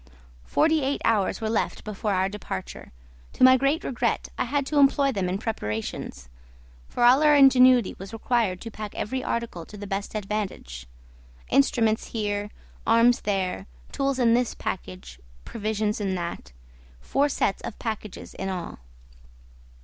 Forty eight hours were left before our departure; to my great regret I had to employ them in preparations; for all our ingenuity was required to pack every article to the best advantage; instruments here, arms there, tools in this package, provisions in that: four sets of packages in all.